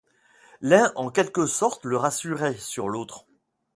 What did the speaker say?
L'un en quelque sorte le rassurait sur l'autre.